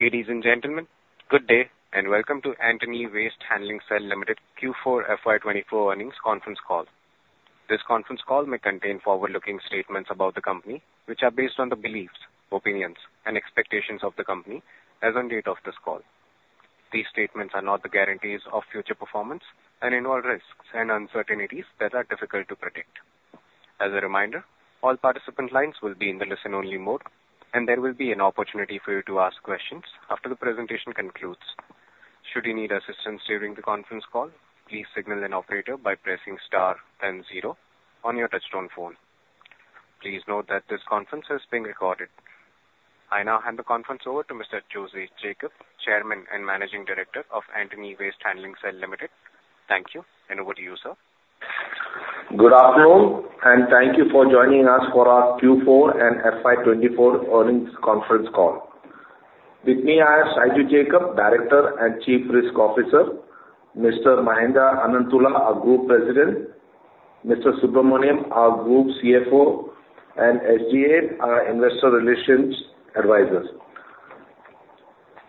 Ladies and gentlemen, good day, and welcome to Antony Waste Handling Cell Limited Q4 FY 2024 earnings conference call. This conference call may contain forward-looking statements about the company, which are based on the beliefs, opinions and expectations of the company as on date of this call. These statements are not the guarantees of future performance and involve risks and uncertainties that are difficult to predict. As a reminder, all participant lines will be in the listen-only mode, and there will be an opportunity for you to ask questions after the presentation concludes. Should you need assistance during the conference call, please signal an operator by pressing star then zero on your touchtone phone. Please note that this conference is being recorded. I now hand the conference over to Mr. Jose Jacob, Chairman and Managing Director of Antony Waste Handling Cell Limited. Thank you, and over to you, sir. Good afternoon, and thank you for joining us for our Q4 and FY 2024 earnings conference call. With me, I have Shiju Jacob, Director and Chief Risk Officer, Mr. Mahendra Ananthula, our Group President, Mr. N. G. Subramanian, our Group CFO, and SGA, our Investor Relations Advisors.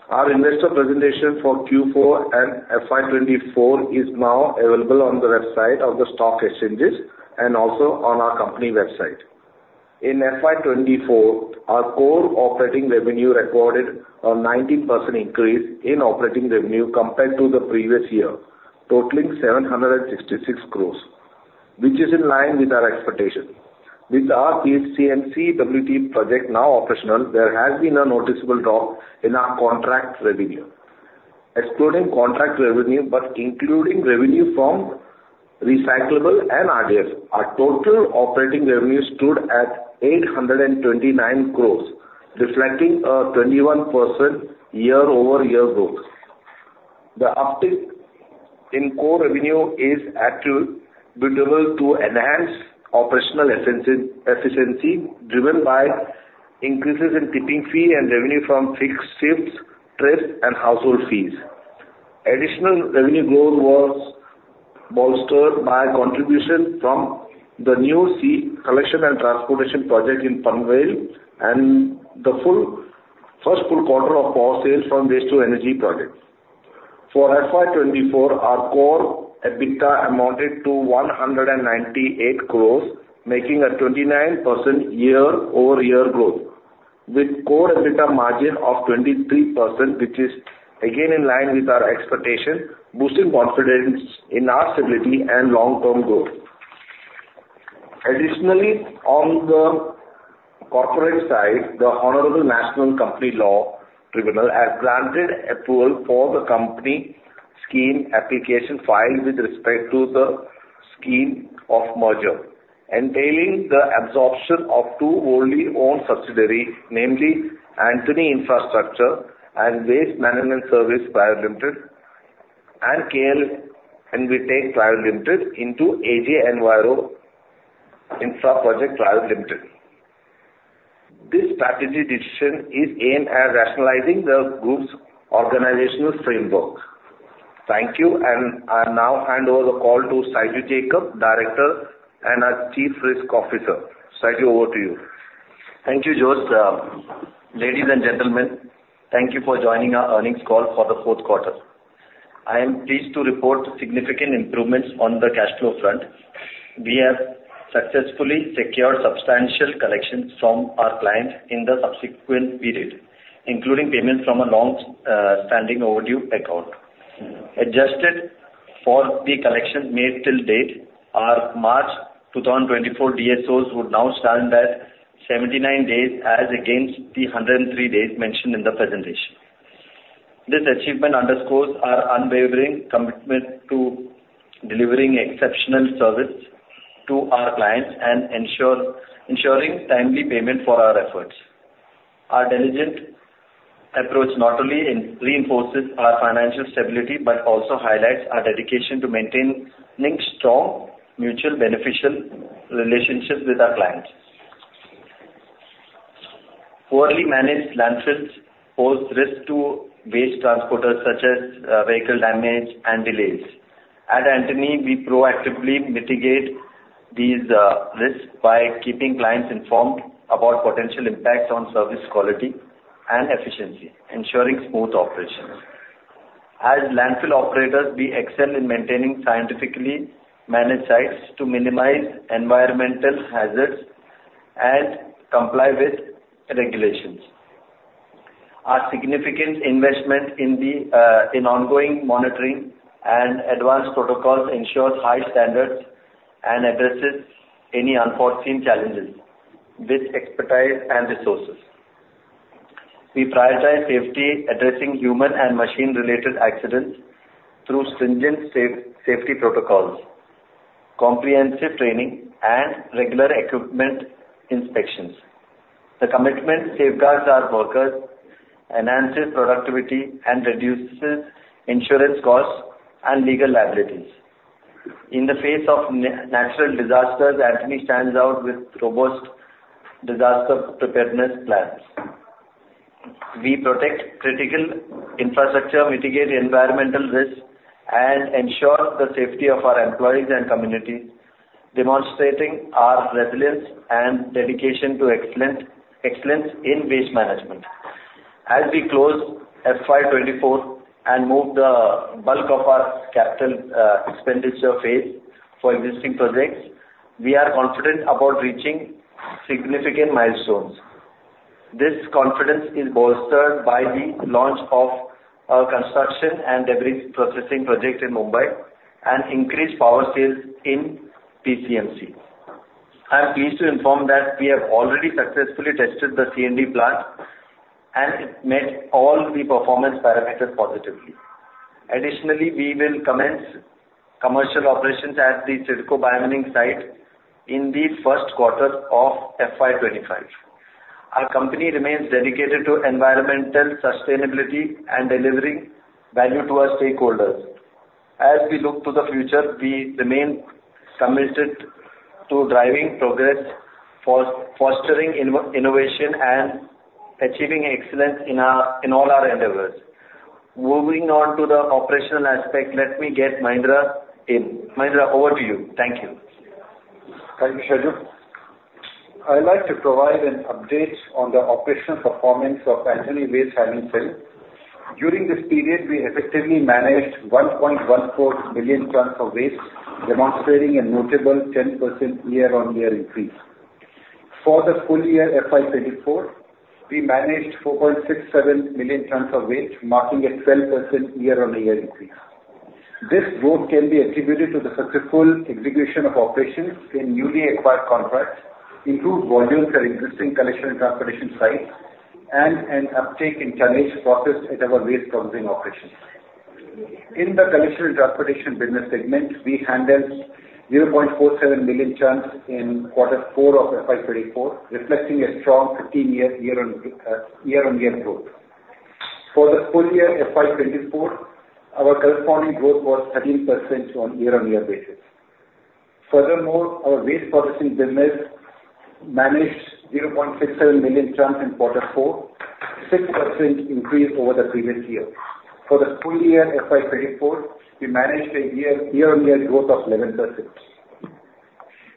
Our investor presentation for Q4 and FY 2024 is now available on the website of the stock exchanges and also on our company website. In FY 2024, our core operating revenue recorded a 19% increase in operating revenue compared to the previous year, totaling 766 crores, which is in line with our expectation. With our PCMC and WTE project now operational, there has been a noticeable drop in our contract revenue. Excluding contract revenue, but including revenue from recyclable and RDF, our total operating revenue stood at 829 crores, reflecting a 21% year-over-year growth. The uptick in core revenue is attributable to enhanced operational efficiency, driven by increases in tipping fee and revenue from fixed shifts, trade and household fees. Additional revenue growth was bolstered by contribution from the new C&T project in Panvel and the first full quarter of power sales from waste-to-energy projects. For FY 2024, our Core EBITDA amounted to 198 crore, making a 29% year-over-year growth, with Core EBITDA margin of 23%, which is again in line with our expectation, boosting confidence in our stability and long-term growth. Additionally, on the corporate side, the Honorable National Company Law Tribunal has granted approval for the company scheme application filed with respect to the scheme of merger, entailing the absorption of two wholly owned subsidiaries, namely Antony Infrastructure and Waste Management Services Private Limited and KL Envitech Private Limited into AG Enviro Infra Projects Private Limited. This strategic decision is aimed at rationalizing the group's organizational framework. Thank you, and I now hand over the call to Shiju Jacob, Director and our Chief Risk Officer. Shiju, over to you. Thank you, Jose. Ladies and gentlemen, thank you for joining our earnings call for the fourth quarter. I am pleased to report significant improvements on the cash flow front. We have successfully secured substantial collections from our clients in the subsequent period, including payment from a long-standing overdue account. Adjusted for the collections made till date, our March 2024 DSOs would now stand at 79 days, as against the 103 days mentioned in the presentation. This achievement underscores our unwavering commitment to delivering exceptional service to our clients and ensuring timely payment for our efforts. Our diligent approach not only reinforces our financial stability, but also highlights our dedication to maintaining strong, mutually beneficial relationships with our clients. Poorly managed landfills pose risks to waste transporters, such as vehicle damage and delays. At Antony, we proactively mitigate these risks by keeping clients informed about potential impacts on service quality and efficiency, ensuring smooth operations. As landfill operators, we excel in maintaining scientifically managed sites to minimize environmental hazards and comply with regulations. Our significant investment in ongoing monitoring and advanced protocols ensures high standards and addresses any unforeseen challenges with expertise and resources. We prioritize safety, addressing human and machine-related accidents through stringent safety protocols, comprehensive training and regular equipment inspections. The commitment safeguards our workers, enhances productivity and reduces insurance costs and legal liabilities. In the face of natural disasters, Antony stands out with robust disaster preparedness plans. We protect critical infrastructure, mitigate environmental risks, and ensure the safety of our employees and communities.... demonstrating our resilience and dedication to excellence in waste management. As we close FY 2024 and move the bulk of our capital expenditure phase for existing projects, we are confident about reaching significant milestones. This confidence is bolstered by the launch of our construction and demolition processing project in Mumbai and increased power sales in PCMC. I am pleased to inform that we have already successfully tested the C&D plant, and it met all the performance parameters positively. Additionally, we will commence commercial operations at the CIDCO bio-mining site in the first quarter of FY 2025. Our company remains dedicated to environmental sustainability and delivering value to our stakeholders. As we look to the future, we remain committed to driving progress, fostering innovation, and achieving excellence in all our endeavors. Moving on to the operational aspect, let me get Mahendra in. Mahendra, over to you. Thank you. Thank you, Shiju. I'd like to provide an update on the operational performance of Antony Waste Handling Cell. During this period, we effectively managed 1.14 million tons of waste, demonstrating a notable 10% year-on-year increase. For the full year FY 2024, we managed 4.67 million tons of waste, marking a 12% year-on-year increase. This growth can be attributed to the successful execution of operations in newly acquired contracts, improved volumes at existing collection and transportation sites, and an uptake in tonnage processed at our waste processing operations. In the collection and transportation business segment, we handled 0.47 million tons in quarter four of FY 2024, reflecting a strong 15% year-on-year growth. For the full year FY 2024, our corresponding growth was 13% on year-on-year basis. Furthermore, our waste processing business managed 0.67 million tons in quarter four, 6% increase over the previous year. For the full year FY 2024, we managed a year-on-year growth of 11%.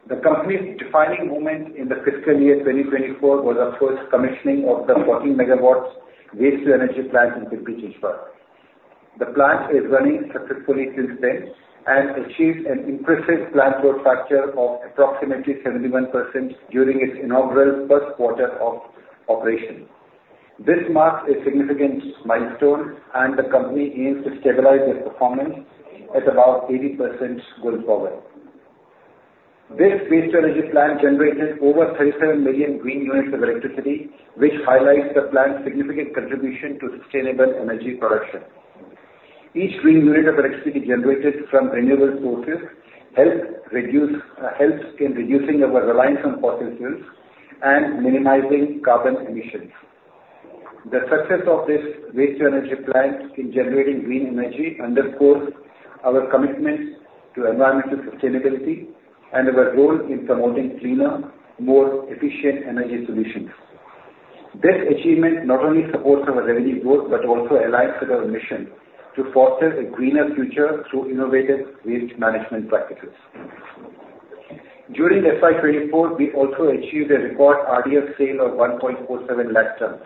The company's defining moment in the fiscal year 2024 was the first commissioning of the 14 megawatts Waste-to-Energy plant in Chinchwad. The plant is running successfully since then and achieved an impressive plant load factor of approximately 71% during its inaugural first quarter of operation. This marks a significant milestone, and the company aims to stabilize its performance at about 80% going forward. This Waste-to-Energy plant generated over 37 million green units of electricity, which highlights the plant's significant contribution to sustainable energy production. Each green unit of electricity generated from renewable sources help reduce... helps in reducing our reliance on fossil fuels and minimizing carbon emissions. The success of this Waste-to-Energy plant in generating green energy underscores our commitment to environmental sustainability and our role in promoting cleaner, more efficient energy solutions. This achievement not only supports our revenue growth, but also aligns with our mission to foster a greener future through innovative waste management practices. During FY 2024, we also achieved a record RDF sale of 147,000 tons.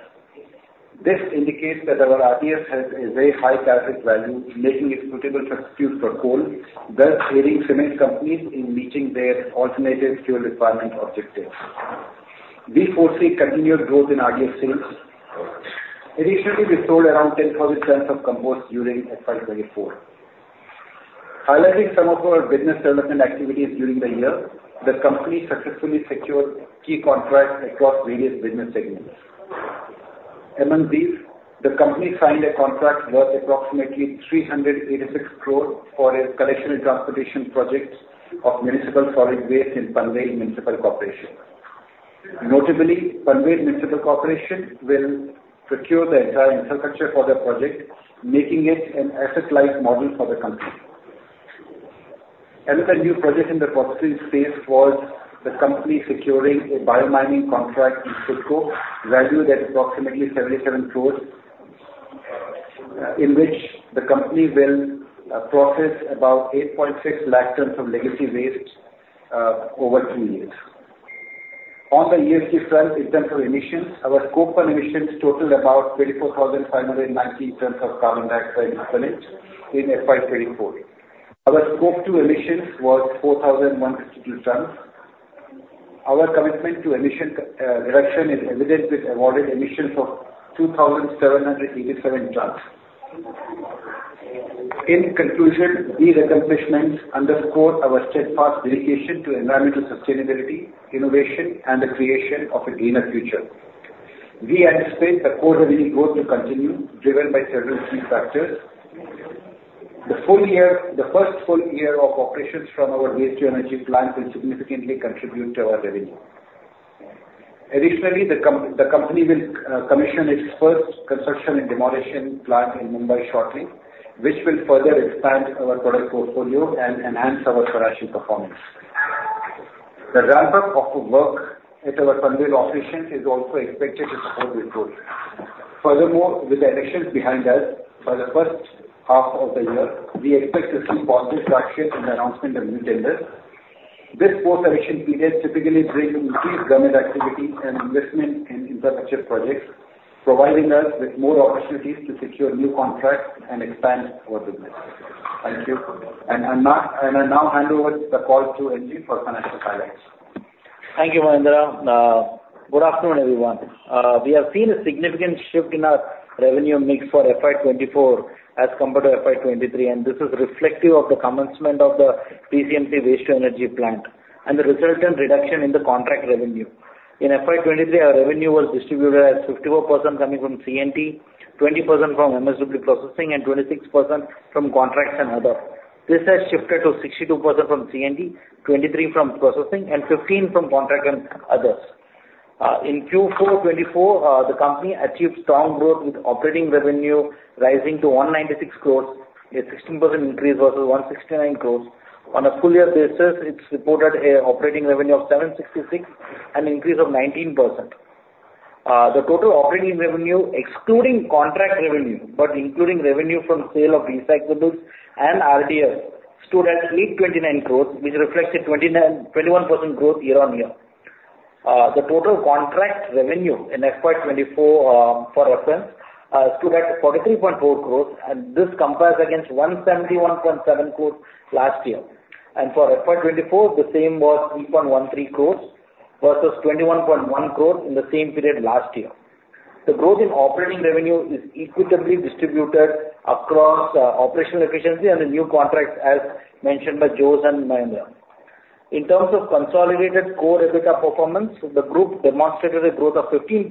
This indicates that our RDF has a very high calorific value, making it suitable substitute for coal, thus aiding cement companies in meeting their alternative fuel requirement objectives. We foresee continued growth in RDF sales. Additionally, we sold around 10,000 tons of compost during FY 2024. Highlighting some of our business development activities during the year, the company successfully secured key contracts across various business segments. Among these, the company signed a contract worth approximately 386 crore for a collection and transportation project of municipal solid waste in Panvel Municipal Corporation. Notably, Panvel Municipal Corporation will procure the entire infrastructure for the project, making it an asset-light model for the company. Another new project in the processing space was the company securing a bio-mining contract in CIDCO, valued at approximately 77 crore, in which the company will process about 860,000 tons of legacy waste over two years. On the ESG front, in terms of emissions, our Scope 1 emissions totaled about 24,590 tons of carbon dioxide equivalent in FY 2024. Our Scope 2 emissions was 4,162 tons. Our commitment to emission reduction is evident with avoided emissions of 2,787 tons. In conclusion, these accomplishments underscore our steadfast dedication to environmental sustainability, innovation, and the creation of a greener future. We anticipate the core revenue growth to continue, driven by several key factors. The first full year of operations from our waste-to-energy plant will significantly contribute to our revenue. Additionally, the company will commission its first construction and demolition plant in Mumbai shortly, which will further expand our product portfolio and enhance our financial performance. The ramp up of the work at our sanitary operations is also expected to support this growth. Furthermore, with the elections behind us for the first half of the year, we expect to see positive traction in the announcement of new tenders. This post-election period typically brings increased government activity and investment in infrastructure projects, providing us with more opportunities to secure new contracts and expand our business. Thank you. And I now hand over the call to N.G. for financial highlights. Thank you, Mahendra. Good afternoon, everyone. We have seen a significant shift in our revenue mix for FY 2024 as compared to FY 2023, and this is reflective of the commencement of the PCMC Waste-to-Energy plant and the resultant reduction in the contract revenue. In FY 2023, our revenue was distributed as 54% coming from C&T, 20% from MSW processing, and 26% from contracts and other. This has shifted to 62% from C&T, 23% from processing, and 15% from contract and others. In Q4 2024, the company achieved strong growth, with operating revenue rising to 196 crores, a 16% increase versus 169 crores. On a full year basis, it's reported a operating revenue of 766 crores, an increase of 19%. The total operating revenue, excluding contract revenue but including revenue from sale of recyclables and RDF, stood at 829 crores, which reflects a twenty-one percent growth year-on-year. The total contract revenue in FY 2024, for reference, stood at 43.4 crores, and this compares against 171.7 crores last year. For FY 2024, the same was 3.13 crores versus 21.1 crores in the same period last year. The growth in operating revenue is equitably distributed across operational efficiency and the new contracts, as mentioned by Jose and Mahendra. In terms of consolidated core EBITDA performance, the group demonstrated a growth of 15%,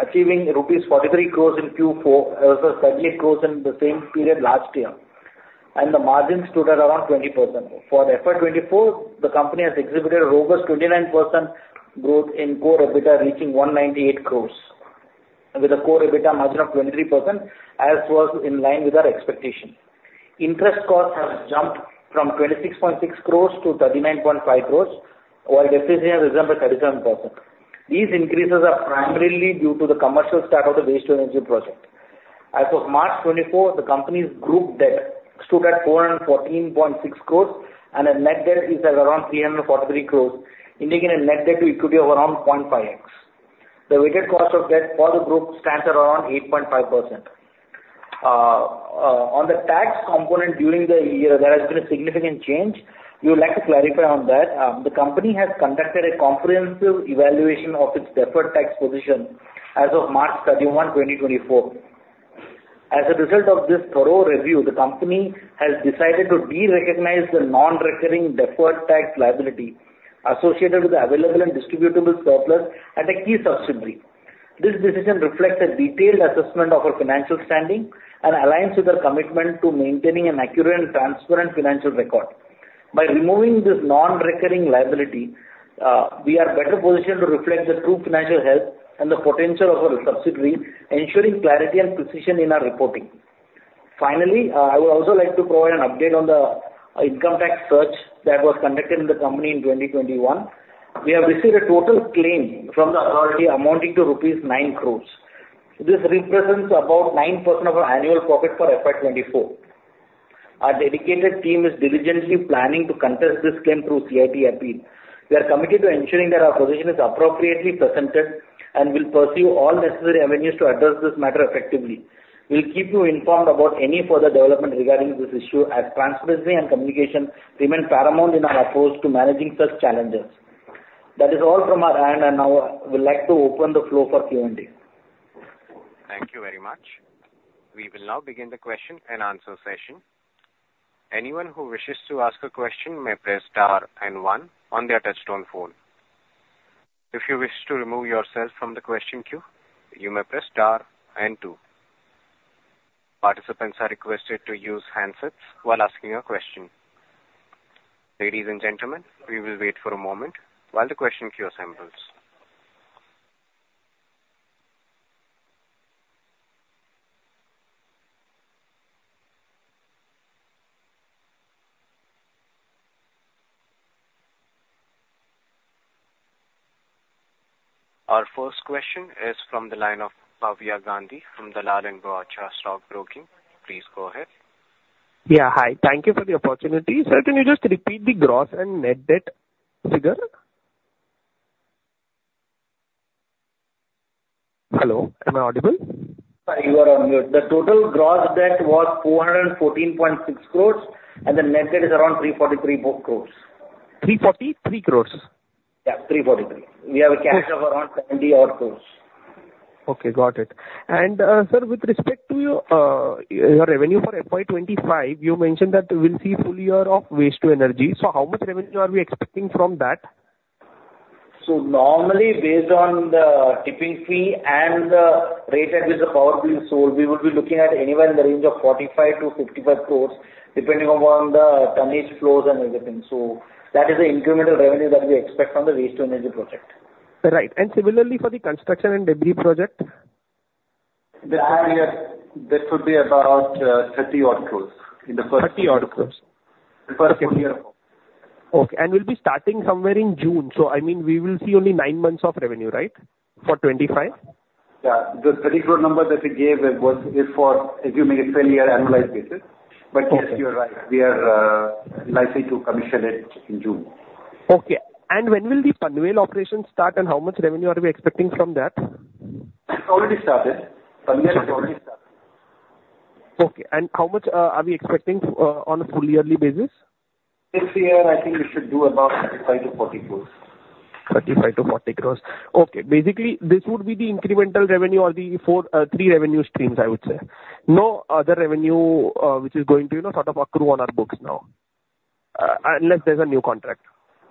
achieving rupees 43 crores in Q4 versus 30 crores in the same period last year, and the margins stood at around 20%. For FY 2024, the company has exhibited a robust 29% growth in Core EBITDA, reaching 198 crores, with a Core EBITDA margin of 23%, as was in line with our expectations. Interest costs have jumped from 26.6 crores to 39.5 crores, while depreciation has risen by 37%. These increases are primarily due to the commercial start of the Waste-to-Energy project. As of March 2024, the company's group debt stood at 414.6 crores, and the net debt is at around 343 crores, indicating a net debt to equity of around 0.5x. The weighted cost of debt for the group stands around 8.5%. On the tax component, during the year, there has been a significant change. We would like to clarify on that. The company has conducted a comprehensive evaluation of its deferred tax position as of March 31, 2024. As a result of this thorough review, the company has decided to de-recognize the non-recurring deferred tax liability associated with the available and distributable surplus at a key subsidiary. This decision reflects a detailed assessment of our financial standing and aligns with our commitment to maintaining an accurate and transparent financial record. By removing this non-recurring liability, we are better positioned to reflect the true financial health and the potential of our subsidiary, ensuring clarity and precision in our reporting. Finally, I would also like to provide an update on the income tax search that was conducted in the company in 2021. We have received a total claim from the authority amounting to rupees 9 crore. This represents about 9% of our annual profit for FY 2024. Our dedicated team is diligently planning to contest this claim through CIT Appeal. We are committed to ensuring that our position is appropriately presented, and we'll pursue all necessary avenues to address this matter effectively. We'll keep you informed about any further development regarding this issue, as transparency and communication remain paramount in our approach to managing such challenges. That is all from our end, and now I would like to open the floor for Q&A. Thank you very much. We will now begin the question-and-answer session. Anyone who wishes to ask a question may press star and one on their touchtone phone. If you wish to remove yourself from the question queue, you may press star and two. Participants are requested to use handsets while asking a question. Ladies and gentlemen, we will wait for a moment while the question queue assembles. Our first question is from the line of Bhavya Gandhi from Dalal & Broacha Stock Broking. Please go ahead. Yeah. Hi. Thank you for the opportunity. Sir, can you just repeat the gross and net debt figure? Hello, am I audible? Sorry, you are on mute. The total gross debt was 414.6 crores, and the net debt is around 343 crores. 343 crore? Yeah, 343. Okay. We have a cash of around 70-odd crores. Okay, got it. And, sir, with respect to your revenue for FY 25, you mentioned that we'll see full year of Waste-to-Energy. So how much revenue are we expecting from that? So normally, based on the tipping fee and the rate at which the power being sold, we would be looking at anywhere in the range of 45 crores-55 crore, depending upon the tonnage flows and everything. So that is the incremental revenue that we expect from the waste to energy project. Right. And similarly, for the construction and demolition project?... The area, that would be about 30-odd crores in the first- 30 odd crores. The first year. Okay, and we'll be starting somewhere in June. I mean, we will see only nine months of revenue, right? For 2025? Yeah. The INR 30 crore number that we gave it was, is for, if you make a full year annualized basis. Okay. But yes, you're right. We are, likely to commission it in June. Okay. When will the Panvel operations start, and how much revenue are we expecting from that? It's already started. Panvel- Okay. has already started. Okay. How much are we expecting on a full yearly basis? This year, I think we should do about 35 crores-40 crores. 35 crore-40 crore. Okay. Basically, this would be the incremental revenue or the four, three revenue streams, I would say. No other revenue, which is going to, you know, sort of accrue on our books now, unless there's a new contract.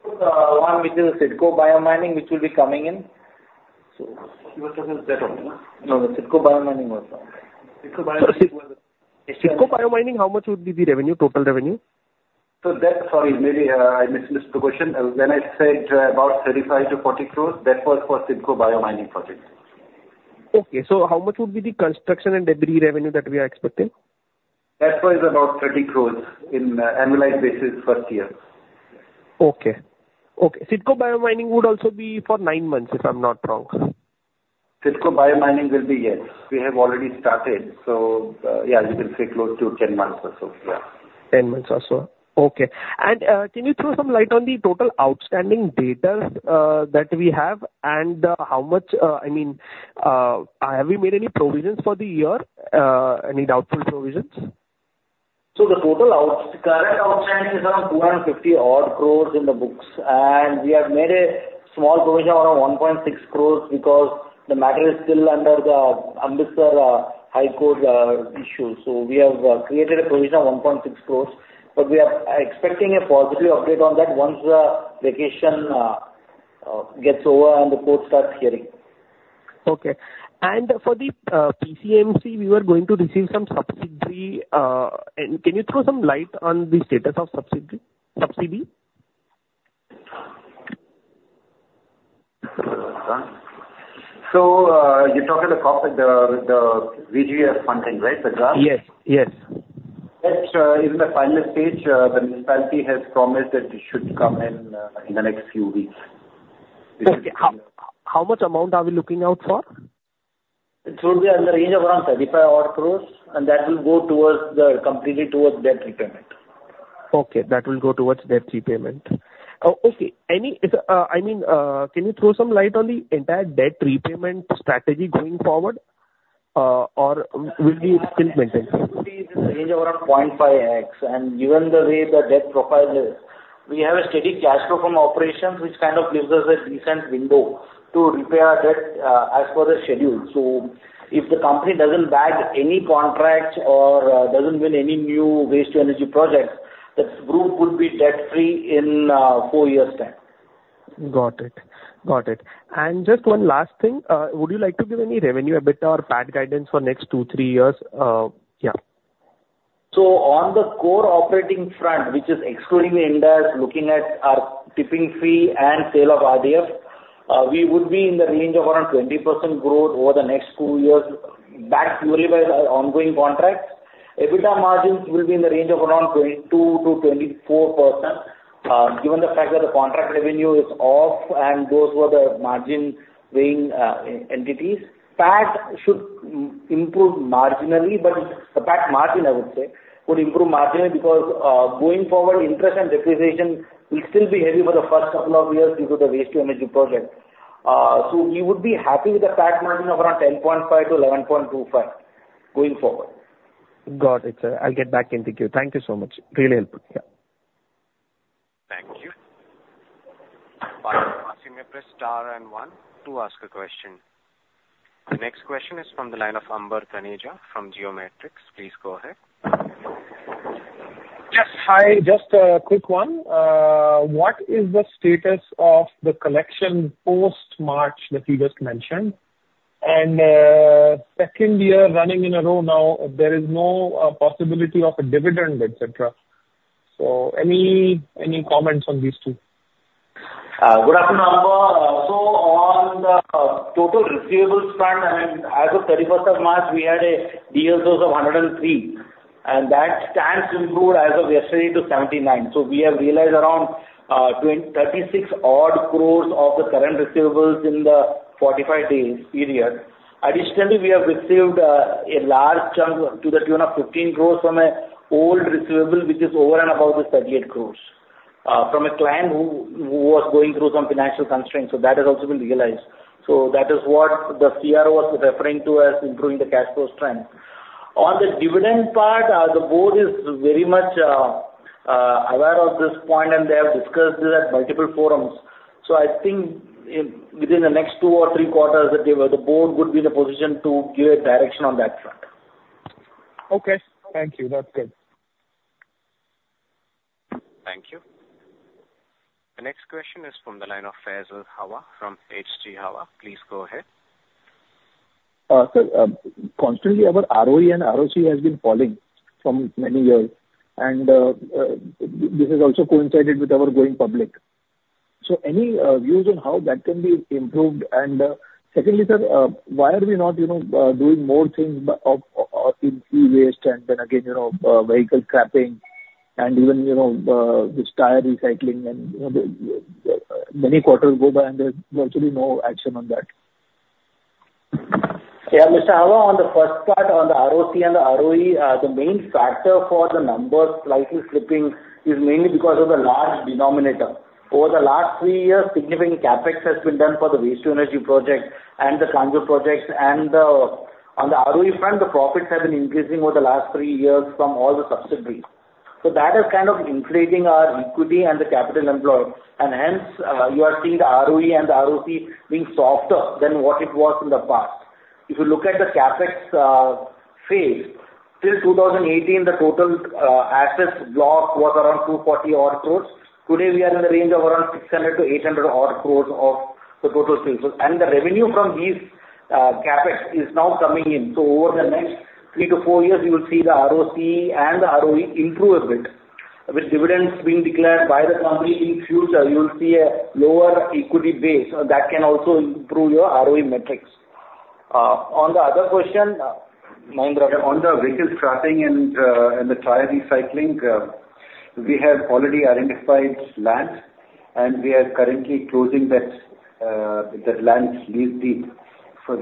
One, which is CIDCO bio-mining, which will be coming in. So- He was talking that only, no? No, the CIDCO bio-mining also. CIDCO bio-mining was- CIDCO bio-mining, how much would be the revenue, total revenue? Sorry, maybe I missed the question. When I said about 35-40 crores, that was for the CIDCO bio-mining project. Okay. How much would be the construction and debris revenue that we are expecting? That one is about 30 crore in annualized basis first year. Okay. Okay. CIDCO bio-mining would also be for nine months, if I'm not wrong. CIDCO bio-mining will be, yes. We have already started. So, yeah, you can say close to 10 months or so, yeah. 10 months or so. Okay. And, can you throw some light on the total outstanding dues that we have, and, how much... I mean, have we made any provisions for the year, any doubtful provisions? So the total out, current outstanding is around 250 odd crores in the books, and we have made a small provision around 1.6 crores because the matter is still under the Amritsar, High Court, issue. So we have created a provision of 1.6 crores, but we are expecting a positive update on that once the vacation gets over and the court starts hearing. Okay. And for the, PCMC, we were going to receive some subsidy. And can you throw some light on the status of subsidy, subsidy? So, you're talking about the VGF funding, right, Bhavya? Yes. Yes. That's in the final stage. The municipality has promised that it should come in in the next few weeks. Okay. How much amount are we looking out for? It should be in the range of around 35 odd crores, and that will go towards the, completely towards debt repayment. Okay, that will go towards debt repayment. Okay. Any, I mean, can you throw some light on the entire debt repayment strategy going forward? Or will it be still maintained? It will be in the range of around 0.5x. And given the way the debt profile is, we have a steady cash flow from operations, which kind of gives us a decent window to repay our debt, as per the schedule. So if the company doesn't bag any contracts or, doesn't win any new Waste-to-Energy projects, the group would be debt-free in, four years' time. Got it. Got it. And just one last thing, would you like to give any revenue, EBITDA or PAT guidance for next two, three years? Yeah. So on the core operating front, which is excluding the Ind AS, looking at our tipping fee and sale of RDF, we would be in the range of around 20% growth over the next two years, backed purely by our ongoing contracts. EBITDA margins will be in the range of around 22%-24%, given the fact that the contract revenue is off and those were the margin weighing entities. PAT should improve marginally, but the PAT margin, I would say, would improve marginally because, going forward, interest and depreciation will still be heavy for the first couple of years due to the Waste-to-Energy project. So you would be happy with the PAT margin of around 10.5%-11.25% going forward. Got it, sir. I'll get back and thank you. Thank you so much. Really helpful. Yeah. Thank you. You may press star and one to ask a question. The next question is from the line of Ambar Taneja from Geosphere. Please go ahead. Yes. Hi, just a quick one. What is the status of the collection post-March that you just mentioned? And, second year running in a row now, there is no possibility of a dividend, et cetera. So any comments on these two? Good afternoon, Ambar. So on the total receivables front, and as of thirty-first of March, we had a DSO of 103, and that stands improved as of yesterday to 79. So we have realized around 36 odd crore of the current receivables in the 45 days period. Additionally, we have received a large chunk to the tune of 15 crore from an old receivable, which is over and above the 38 crore from a client who was going through some financial constraints, so that has also been realized. So that is what the CRO was referring to as improving the cash flow strength. On the dividend part, the board is very much aware of this point, and they have discussed this at multiple forums. So I think in, within the next two or three quarters, the board would be in a position to give a direction on that front. Okay. Thank you. That's good. Thank you. The next question is from the line of Faisal Hawa from H.G. Hawa. Please go ahead. Sir, constantly our ROE and ROC has been falling from many years, and this has also coincided with our going public. So any views on how that can be improved? And secondly, sir, why are we not, you know, doing more things but of, of, in e-waste, and then again, you know, vehicle scrapping, and even, you know, this tire recycling and, you know, the many quarters go by, and there's virtually no action on that. Yeah, Mr. Oza, on the first part, on the ROC and the ROE, the main factor for the numbers slightly slipping is mainly because of the large denominator. Over the last three years, significant CapEx has been done for the Waste-to-Energy project and the Kanjurmarg projects, and on the ROE front, the profits have been increasing over the last three years from all the subsidiaries. So that is kind of increasing our equity and the capital employed, and hence, you are seeing the ROE and the ROC being softer than what it was in the past. If you look at the CapEx phase, till 2018, the total assets block was around 240-odd crores. Today, we are in the range of around 600-800-odd crores of the total assets. The revenue from these, CapEx is now coming in. Over the next three to four years, you will see the ROC and the ROE improve a bit, with dividends being declared by the company. In future, you will see a lower equity base, that can also improve your ROE metrics. On the other question, Mahendra- On the vehicle scrapping and the tire recycling, we have already identified lands, and we are currently closing that land lease deal with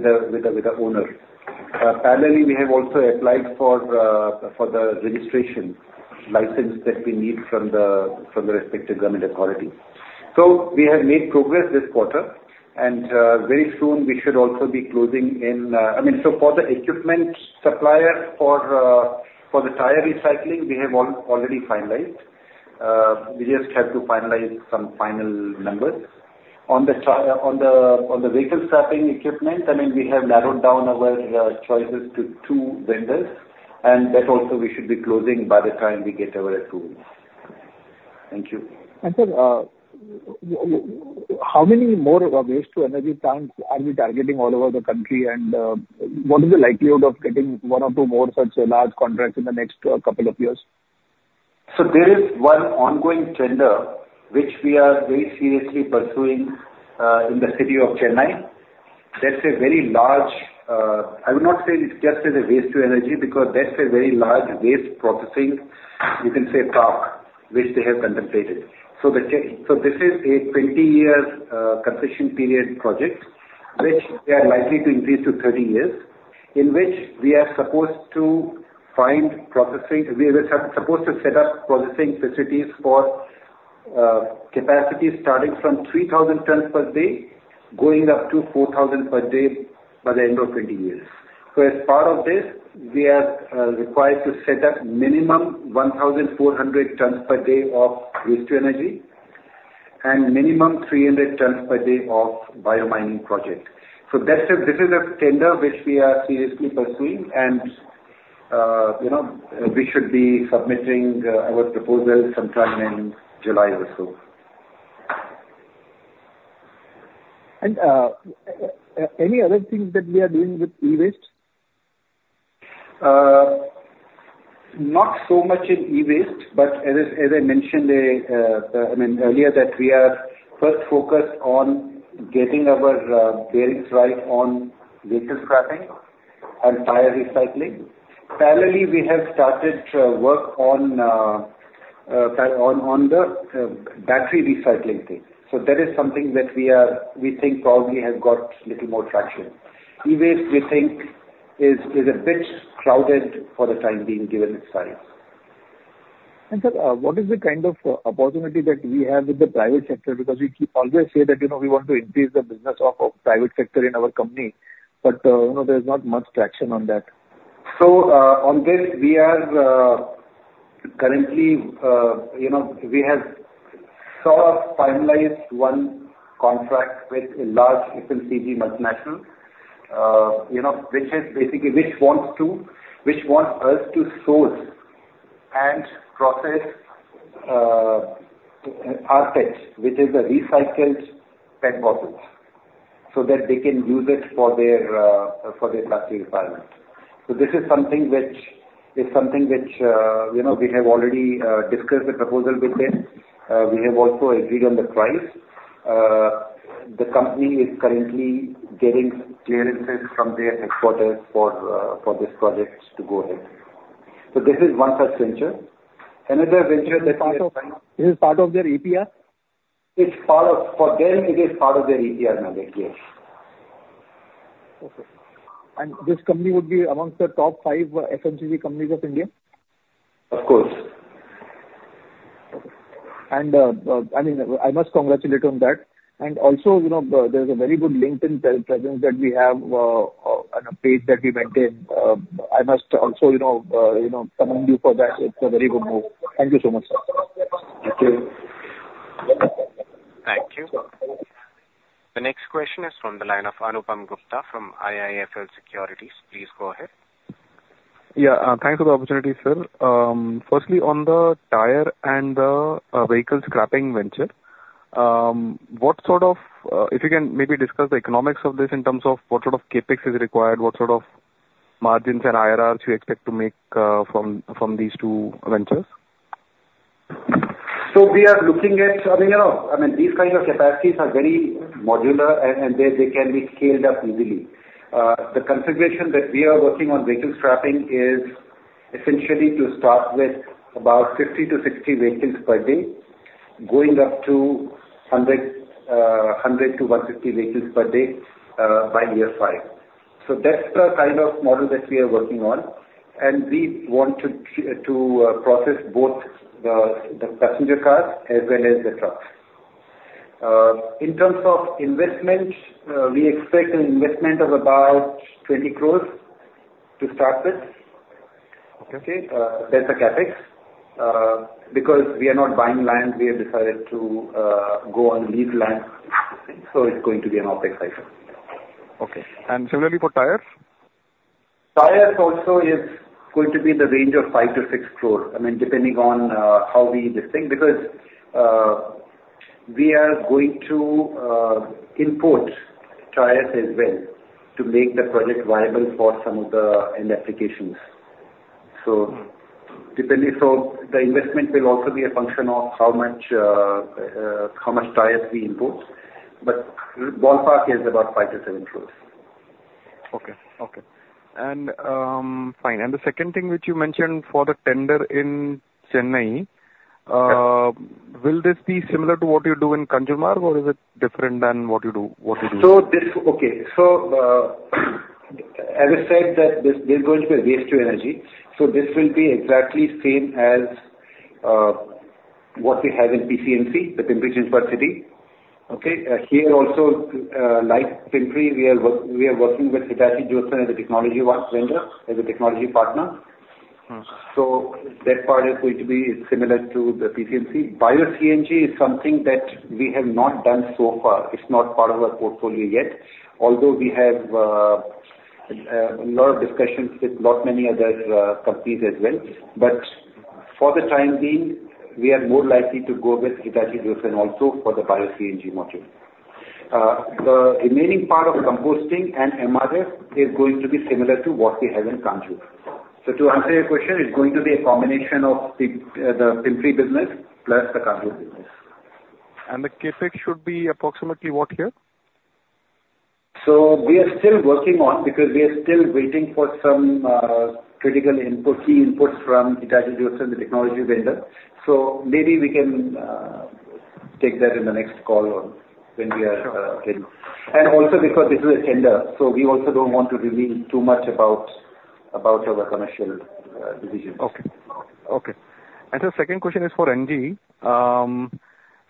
the owner. Parallelly, we have also applied for the registration license that we need from the respective government authority. So we have made progress this quarter, and very soon we should also be closing in. I mean, so for the equipment supplier, for the tire recycling, we have already finalized. We just have to finalize some final numbers. On the vehicle scrapping equipment, I mean, we have narrowed down our choices to two vendors, and that also we should be closing by the time we get our approval. Thank you. Sir, how many more waste to energy plants are we targeting all over the country? And what is the likelihood of getting one or two more such large contracts in the next couple of years? So there is one ongoing tender which we are very seriously pursuing, in the city of Chennai. That's a very large, I would not say it's just as a waste-to-energy, because that's a very large waste processing, you can say, park, which they have contemplated. So this is a 20 years, concession period project, which they are likely to increase to 30 years, in which we are supposed to find processing, we are supposed to set up processing facilities for, capacity starting from 3,000 tons per day, going up to 4,000 tons per day by the end of 20 years. So as part of this, we are, required to set up minimum 1,400 tons per day of waste-to-energy and minimum 300 tons per day of bio-mining project. So this is a tender which we are seriously pursuing and, you know, we should be submitting our proposal sometime in July or so. Any other things that we are doing with e-waste? Not so much in e-waste, but as I mentioned, I mean, earlier that we are first focused on getting our bearings right on vehicle scrapping and tire recycling. Parallelly, we have started work on the battery recycling thing. So that is something that we think probably has got little more traction. E-waste, we think, is a bit crowded for the time being, given its size. Sir, what is the kind of opportunity that we have with the private sector? Because we keep always say that, you know, we want to increase the business of private sector in our company, but, you know, there's not much traction on that. So, on this, we are currently, you know, we have sort of finalized one contract with a large FMCG multinational, you know, which is basically- which wants to, which wants us to source and process, rPET, which is a recycled PET bottles, so that they can use it for their, for their plastic requirements. So this is something which, is something which, you know, we have already discussed the proposal with them. We have also agreed on the price. The company is currently getting clearances from their headquarters for, for this project to go ahead. So this is one such venture. Another venture that we are planning- This is part of their EPR? It's part of... For them, it is part of their EPR mandate, yes. Okay. This company would be among the top five FMCG companies of India? Of course. Okay. And, I mean, I must congratulate on that. And also, you know, there's a very good LinkedIn presence that we have, and a page that we maintain. I must also, you know, you know, commend you for that. It's a very good move. Thank you so much, sir. Thank you. Thank you. The next question is from the line of Anupam Gupta from IIFL Securities. Please go ahead. Yeah, thanks for the opportunity, sir. Firstly, on the tire and the vehicle scrapping venture, what sort of if you can maybe discuss the economics of this in terms of what sort of CapEx is required, what sort of margins and IRRs you expect to make, from these two ventures? So we are looking at, I mean, you know, I mean, these kind of capacities are very modular and, and they, they can be scaled up easily. The configuration that we are working on vehicle scrapping is essentially to start with about 50-60 vehicles per day, going up to 100-150 vehicles per day, by year 5. So that's the kind of model that we are working on, and we want to to process both the, the passenger cars as well as the trucks. In terms of investment, we expect an investment of about 20 crore to start with. Okay. Okay, that's the CapEx. Because we are not buying land, we have decided to go and lease land, so it's going to be an OpEx cycle. Okay. And similarly for tires? Tires also is going to be in the range of 5 crore-6 crore, I mean, depending on how we decide. Because we are going to import tires as well to make the project viable for some of the end applications. So- Mm. Depending, so the investment will also be a function of how much tires we import, but ballpark is about 5 crore-7 crore. Okay. Okay. And, fine. And the second thing, which you mentioned for the tender in Chennai- Yeah. Will this be similar to what you do in Kanjurmarg, or is it different than what you do, what you do? As I said, this is going to be a waste to energy, so this will be exactly same as what we have in PCMC, the Pimpri-Chinchwad city. Okay? Here also, like Pimpri, we are working with Hitachi Zosen as a technology wise vendor, as a technology partner. Mm. So that part is going to be similar to the PCMC. Bio-CNG is something that we have not done so far. It's not part of our portfolio yet. Although we have a lot of discussions with lot many other companies as well, but for the time being, we are more likely to go with Hitachi Zosen also for the Bio-CNG module. The remaining part of composting and MRF is going to be similar to what we have in Kanjur. So to answer your question, it's going to be a combination of the Pimpri business plus the Kanjur business. The CapEx should be approximately what here? So we are still working on, because we are still waiting for some critical input, key inputs from Hitachi Zosen, the technology vendor. So maybe we can take that in the next call on when we are- Sure. Ready. And also because this is a tender, so we also don't want to reveal too much about our commercial decisions. Okay. Okay. And the second question is for NG.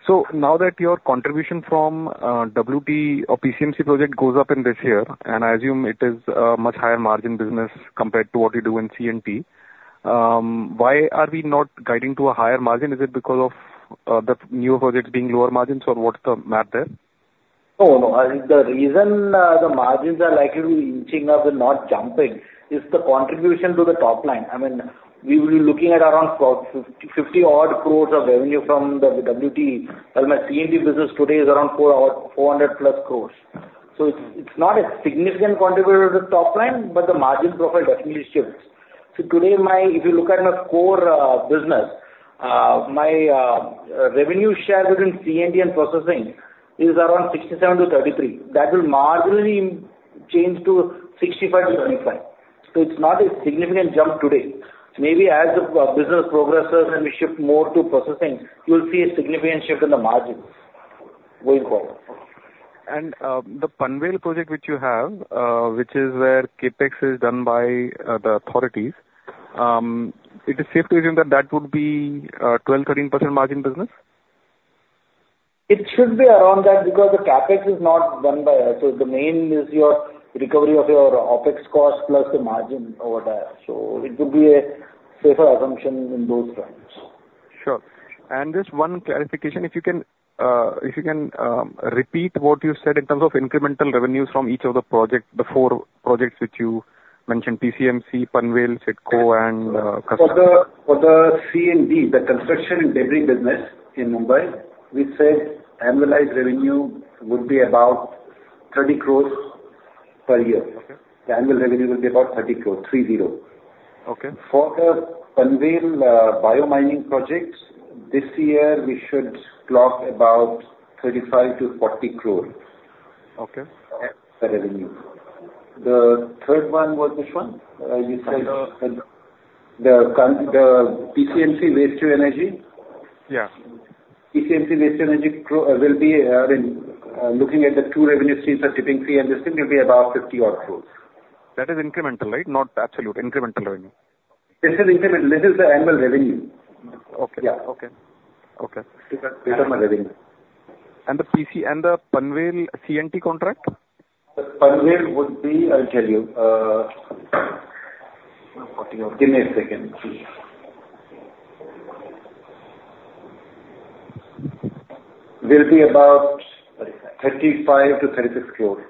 So now that your contribution from WT or PCMC project goes up in this year, and I assume it is a much higher margin business compared to what you do in C&D, why are we not guiding to a higher margin? Is it because of the new projects being lower margins, or what's the math there? No, no. The reason the margins are likely to be inching up and not jumping is the contribution to the top line. I mean, we will be looking at around 40, 50, 50-odd crores of revenue from the WT, while my C&D business today is around 400-odd, 400-plus crores. So it's, it's not a significant contributor to the top line, but the margin profile definitely shifts. So today, my, if you look at my core business, my revenue share between C&D and processing is around 67 to 33. That will marginally change to 65 to 35. So it's not a significant jump today. Maybe as the business progresses and we shift more to processing, you'll see a significant shift in the margins going forward. The Panvel project which you have, which is where CapEx is done by the authorities, is it safe to assume that that would be 12%-13% margin business? It should be around that because the CapEx is not done by us. So the main is your recovery of your OpEx cost plus the margin over there. So it would be a safer assumption in those terms. Sure. And just one clarification, if you can, if you can, repeat what you said in terms of incremental revenues from each of the project, the four projects which you mentioned, PCMC, Panvel, CIDC and, C&D. For the C&D, the Construction and Demolition business in Mumbai, we said annualized revenue would be about 30 crore per year. Okay. The annual revenue will be about 30 crore. Okay. For the Panvel bio-mining project, this year we should clock about 35 crore-40 crore. Okay. The revenue. The third one was which one? you said- The- The PCMC waste-to-energy? Yeah. PCMC Waste-to-Energy will be in looking at the two revenue streams, the tipping fee and this thing, will be about 50 odd crores. That is incremental, right? Not absolute. Incremental revenue. This is incremental. This is the annual revenue. Okay. Yeah. Okay. Okay. These are my revenue. The PC, and the Panvel C&D contract? The Panvel would be, I'll tell you, give me a second, please. Will be about- Thirty-five. 35 crore-36 crore.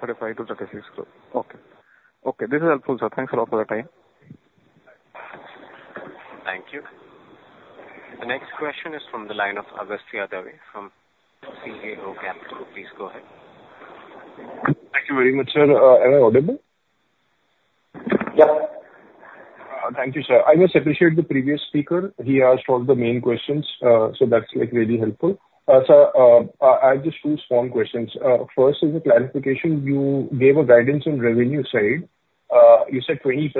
35 crore-36 crore. Okay. Okay, this is helpful, sir. Thanks a lot for the time!... The next question is from the line of Agastya Dave from CA Oza Capital. Please go ahead. Thank you very much, sir. Am I audible? Yeah. Thank you, sir. I just appreciate the previous speaker. He asked all the main questions, so that's, like, really helpful. Sir, I have just two small questions. First is a clarification. You gave a guidance on revenue side. You said 20%.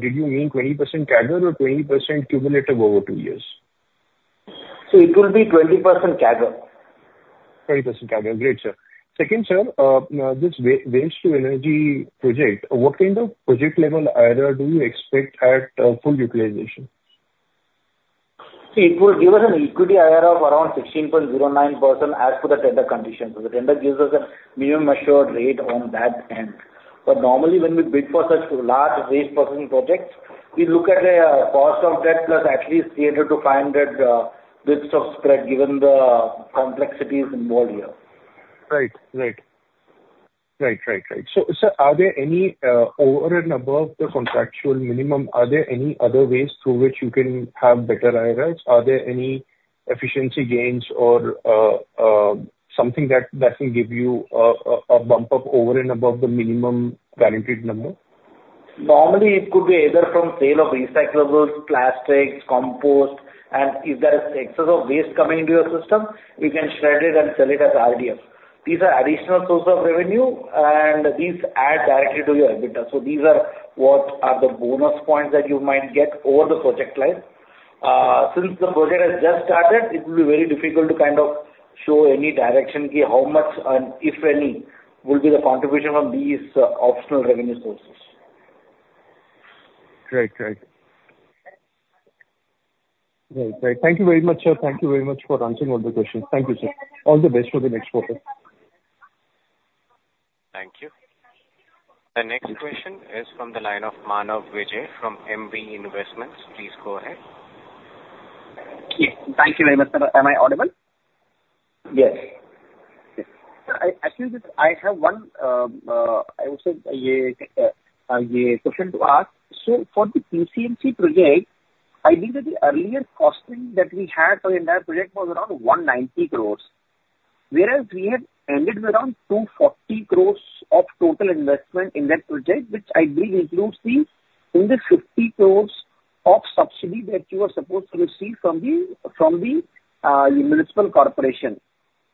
Did you mean 20% CAGR or 20% cumulative over two years? It will be 20% CAGR. 20% CAGR. Great, sir. Second, sir, now, this waste-to-energy project, what kind of project level IRR do you expect at full utilization? See, it will give us an equity IRR of around 16.09% as per the tender conditions. So the tender gives us a minimum assured rate on that end. But normally, when we bid for such large waste processing projects, we look at a, cost of debt plus at least 300-500 basis points of spread, given the complexities involved here. Right. Right. Right, right, right. So, sir, are there any over and above the contractual minimum, are there any other ways through which you can have better IRRs? Are there any efficiency gains or something that will give you a bump up over and above the minimum guaranteed number? Normally, it could be either from sale of recyclables, plastics, compost, and if there is excess of waste coming into your system, we can shred it and sell it as RDF. These are additional sources of revenue, and these add directly to your EBITDA. So these are what are the bonus points that you might get over the project life. Since the project has just started, it will be very difficult to kind of show any direction, how much, and if any, will be the contribution from these optional revenue sources. Right. Right. Right, right. Thank you very much, sir. Thank you very much for answering all the questions. Thank you, sir. All the best for the next quarter. Thank you. The next question is from the line of Manav Vijay from MB Investments. Please go ahead. Yeah, thank you very much, sir. Am I audible? Yes. Sir, I, actually, I have one, I would say, a question to ask. So for the PCMC project, I believe that the earlier costing that we had for the entire project was around 190 crores. Whereas we have ended with around 240 crores of total investment in that project, which I believe includes the, in the 50 crores of subsidy that you are supposed to receive from the, from the, municipal corporation.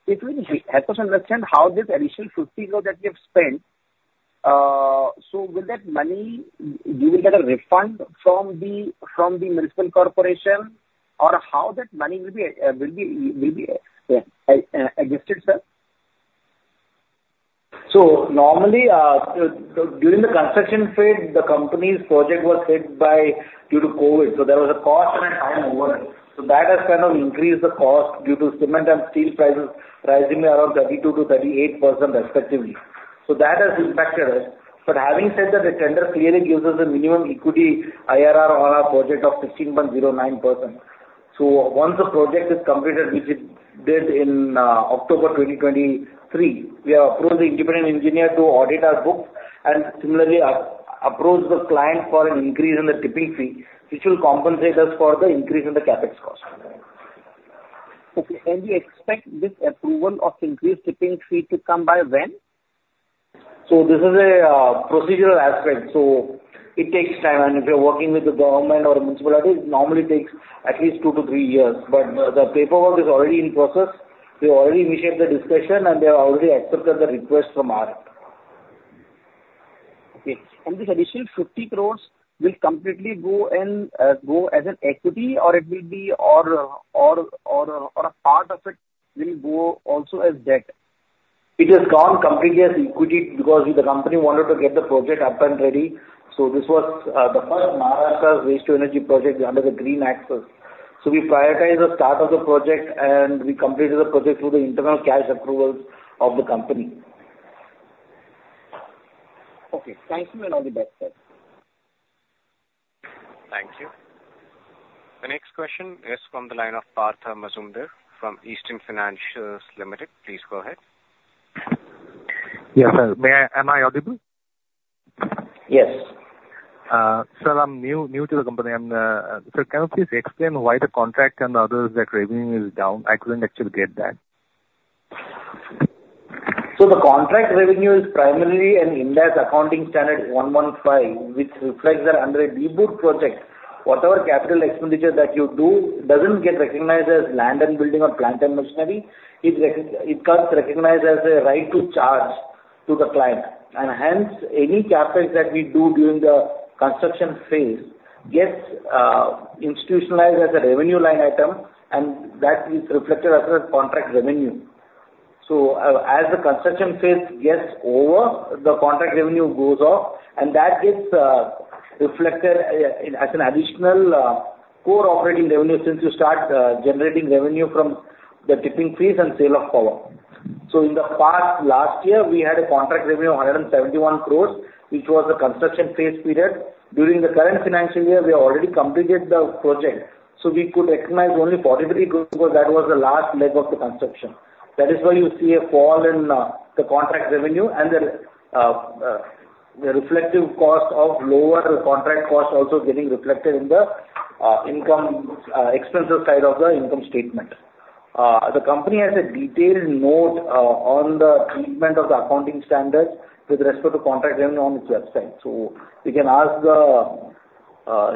It will help us understand how this initial 50 crore that you have spent, so will that money, you will get a refund from the, from the municipal corporation, or how that money will be, will be, will be, adjusted, sir? So normally, during the construction phase, the company's project was hit by, due to COVID, so there was a cost and a time overrun. So that has kind of increased the cost due to cement and steel prices rising around 32%-38% respectively. So that has impacted us. But having said that, the tender clearly gives us a minimum equity IRR on our project of 16.09%. So once the project is completed, which is this in, October 2023, we have approved the independent engineer to audit our books, and similarly, approach the client for an increase in the tipping fee, which will compensate us for the increase in the CapEx cost. Okay. You expect this approval of increased tipping fee to come by when? So this is a procedural aspect, so it takes time. And if you're working with the government or municipality, it normally takes at least 2-3 years. But the paperwork is already in process. We've already initiated the discussion, and they have already accepted the request from our end. Okay. And this additional 50 crore will completely go in, go as an equity, or it will be, or a part of it will go also as debt? It has gone completely as equity because the company wanted to get the project up and ready. So this was the first Maharashtra waste to energy project under the Green Access. So we prioritize the start of the project, and we completed the project through the internal cash approvals of the company. Okay. Thank you, and all the best, sir. Thank you. The next question is from the line of Partha Mazumdar from Eastern Financiers Limited. Please go ahead. Yes, sir. Am I audible? Yes. Sir, I'm new to the company. Sir, can you please explain why the contract and others, that revenue is down? I couldn't actually get that. So the contract revenue is primarily an Ind AS 115, which reflects that under a DBO project, whatever capital expenditures that you do, doesn't get recognized as land and building or plant and machinery. It gets recognized as a right to charge to the client, and hence, any CapEx that we do during the construction phase gets institutionalized as a revenue line item, and that is reflected as a contract revenue. So, as the construction phase gets over, the contract revenue goes off, and that gets reflected as an additional core operating revenue since you start generating revenue from the tipping fees and sale of power. So in the past, last year, we had a contract revenue of 171 crore, which was the construction phase period. During the current financial year, we have already completed the project, so we could recognize only 43 crore because that was the last leg of the construction. That is why you see a fall in the contract revenue and the reflective cost of lower contract cost also getting reflected in the income expenses side of the income statement.... The company has a detailed note on the treatment of the accounting standards with respect to contract revenue on its website. You can ask the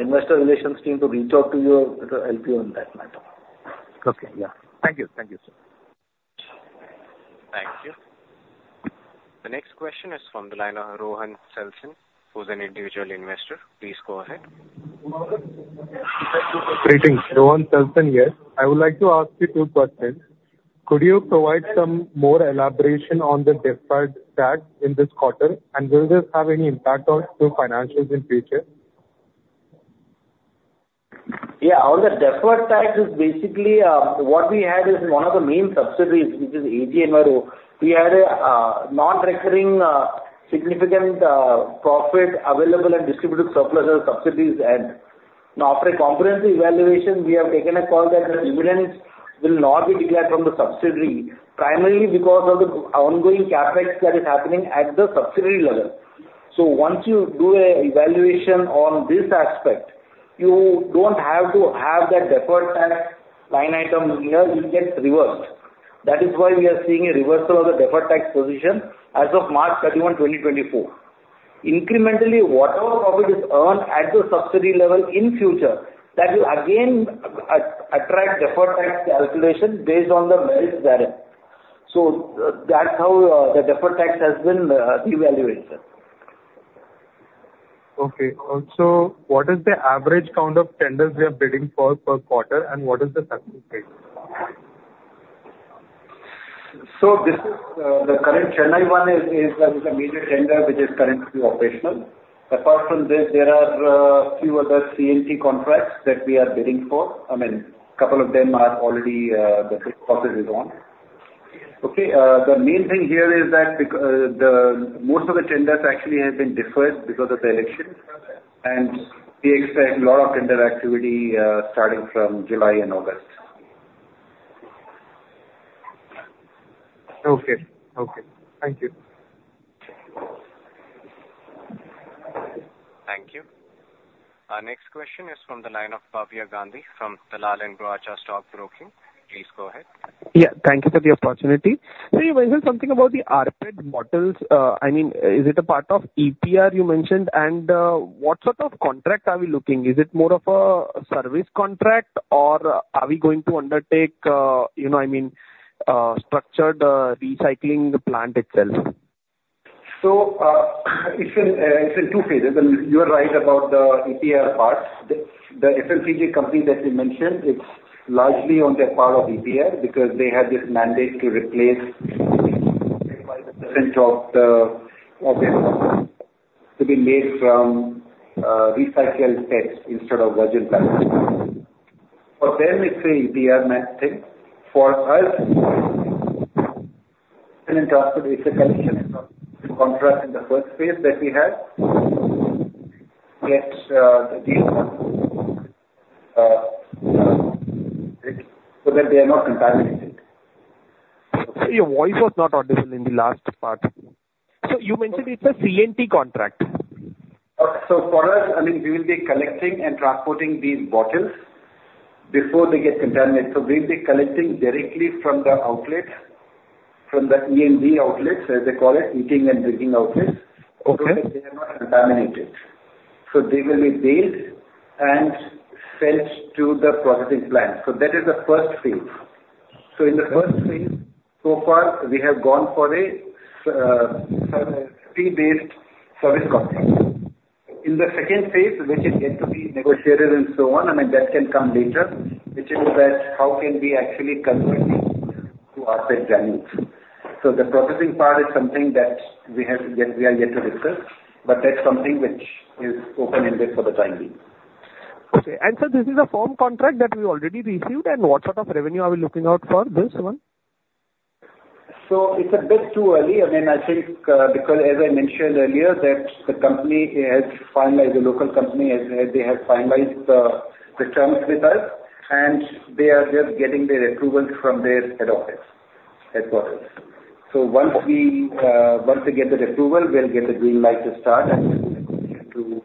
investor relations team to reach out to you. It'll help you on that matter. Okay. Yeah. Thank you. Thank you, sir. Thank you. The next question is from the line of Rohan Selson, who's an individual investor. Please go ahead. Greetings. Rohan Selson, yes. I would like to ask you two questions: Could you provide some more elaboration on the deferred tax in this quarter, and will this have any impact on your financials in future? Yeah. Our deferred tax is basically what we had is one of the main subsidiaries, which is AG Enviro. We had a non-recurring significant profit available and distributed surplus or subsidies. And now after a comprehensive evaluation, we have taken a call that the dividends will not be declared from the subsidiary, primarily because of the ongoing CapEx that is happening at the subsidiary level. So once you do an evaluation on this aspect, you don't have to have that deferred tax line item in here, it gets reversed. That is why we are seeing a reversal of the deferred tax position as of March 31, 2024. Incrementally, whatever profit is earned at the subsidiary level in future, that will again attract deferred tax calculation based on the merits therein. So that's how the deferred tax has been reevaluated. Okay. Also, what is the average count of tenders you are bidding for per quarter, and what is the success rate? So this is, the current Chennai one is, is a major tender, which is currently operational. Apart from this, there are, few other C&T contracts that we are bidding for. I mean, couple of them are already, the process is on. Okay, the main thing here is that the most of the tenders actually have been deferred because of the election, and we expect a lot of tender activity, starting from July and August. Okay. Okay. Thank you. Thank you. Our next question is from the line of Bhavya Gandhi from Dalal & Broacha Stock Broking. Please go ahead. Yeah, thank you for the opportunity. Sir, you mentioned something about the rPET bottles. I mean, is it a part of EPR you mentioned? What sort of contract are we looking? Is it more of a service contract, or are we going to undertake, you know, I mean, structured recycling plant itself? It's in two phases. You are right about the EPR part. The FMCG company that you mentioned, it's largely on their part of EPR, because they have this mandate to replace percent of the... to be made from recycled PETs instead of virgin plastic. For them, it's a EPR mandate. For us, it's a collection of contract in the first phase that we have. Yet, so that they are not contaminated. Sir, your voice was not audible in the last part. So you mentioned it's a C&T contract? So for us, I mean, we will be collecting and transporting these bottles before they get contaminated. So we'll be collecting directly from the outlets, from the F&B outlets, as they call it, eating and drinking outlets. Okay. So they are not contaminated. So they will be baled and sent to the processing plant. So that is the first phase. So in the first phase, so far, we have gone for a fee-based service contract. In the second phase, which is yet to be negotiated and so on, I mean, that can come later, which is that how can we actually convert it to rPET granules? So the processing part is something that we have yet, we are yet to discuss, but that's something which is open-ended for the time being. Okay. Sir, this is a firm contract that we already received, and what sort of revenue are we looking out for this one? It's a bit too early. I mean, I think, because as I mentioned earlier, that the company has finalized, the local company, has, they have finalized, the terms with us, and they are just getting their approvals from their head office headquarters. Once they get the approval, we'll get the green light to start and to